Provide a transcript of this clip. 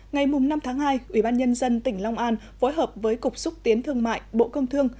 ngày năm tháng hai ubnd tỉnh long an phối hợp với cục xúc tiến thương mại bộ công thương